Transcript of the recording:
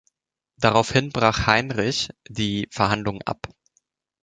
Daraufhin brach Heinrich die Verhandlungen ab.